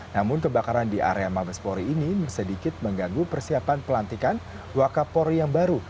namun kebakaran di area mabespori ini sedikit mengganggu persiapan pelantikan wakapori yang baru